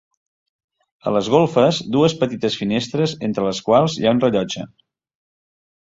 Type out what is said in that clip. A les golfes dues petites finestres entre les quals hi ha un rellotge.